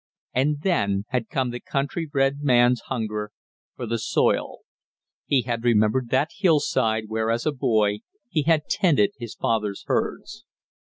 And then had come the country bred man's hunger for the soil. He had remembered that hillside where as a boy he had tended his father's herds.